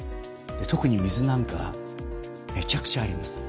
特に水なんかめちゃくちゃあります。